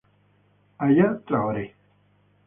Aya Traoré